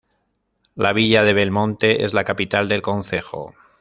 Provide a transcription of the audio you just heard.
La villa de Belmonte es la capital del concejo.